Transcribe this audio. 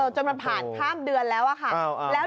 จนละผ่านครั้งเดือนแล้ว